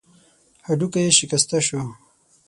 هډوکی يې شکسته شو.